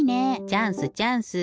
チャンスチャンス！